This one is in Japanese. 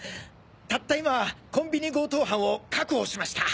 たった今コンビニ強盗犯を確保しました。